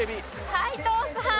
斎藤さん。